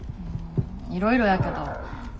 いろいろやけど。